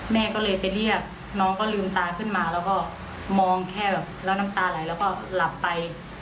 แม่ก็เลยไปเรียกน้องก็ลืมตาขึ้นมาแล้วก็มองแค่แบบแล้วน้ำตาไหลแล้วก็หลับไป